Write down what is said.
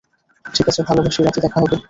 ঠিক আছে, ভালোবাসি, রাতে দেখা হবে।